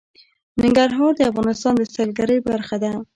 ننګرهار د افغانستان د سیلګرۍ برخه ده.